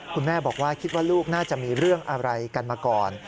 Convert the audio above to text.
คุณแม่บอกว่าคิดว่าลูกน่าจะมีเรื่องอะไรกันมาก่อน